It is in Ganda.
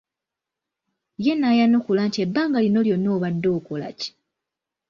Ye n'ayanukula nti ebbanga lino lyonna obadde okola ki !